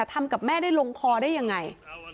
ทำกับแม่ได้ลงคอได้ยังไง